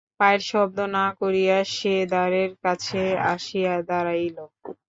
পায়ের শব্দ না করিয়া সে দ্বারের কাছে আসিয়া দাঁড়াইল।